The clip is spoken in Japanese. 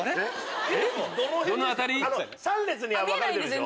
３列には分かれてるでしょ。